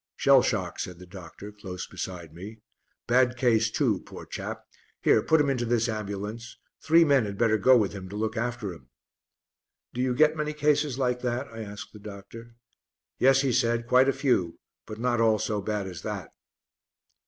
"Shell shock," said the doctor, close beside me; "bad case too, poor chap! Here, put him into this ambulance; three men had better go with him to look after him." "Do you get many cases like that?" I asked the doctor. "Yes," he said, "quite a few, but not all so bad as that."